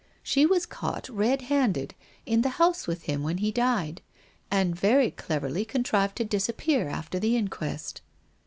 She was caught red handed, in the house with him when he died, and very cleverly contrived to disappear after the inquest.